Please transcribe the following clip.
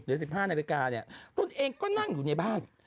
เดี๋ยว๑๕นาฬิกาเนี่ยตนเองก็นั่งอยู่ในบ้าน